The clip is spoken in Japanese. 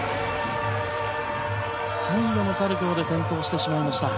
最後のサルコウで転倒してしまいました。